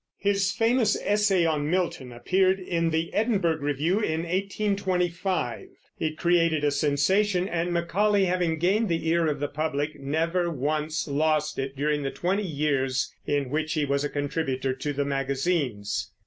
His famous Essay on Milton appeared in the Edinburgh Review in 1825. It created a sensation, and Macaulay, having gained the ear of the public, never once lost it during the twenty years in which he was a contributor to the magazines.